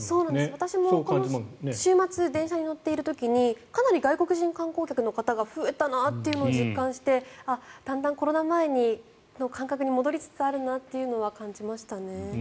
私も週末、電車に乗っている時にかなり外国人観光客の方が増えたなと実感してだんだんコロナ前の感覚に戻りつつあるなっていうのは感じましたね。